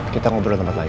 kita ngobrol di tempat lain